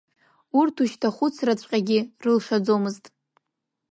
Урҭ ушьҭа ахәыц-раҵәҟьагьы рылшаӡомызт.